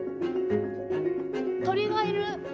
鳥がいる！